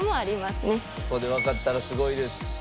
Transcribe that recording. ここでわかったらすごいです。